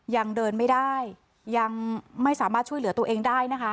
ยังเดินไม่ได้ยังไม่สามารถช่วยเหลือตัวเองได้นะคะ